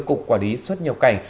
cục quả lý xuất nhập cảnh